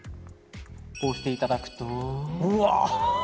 こうしていただくと。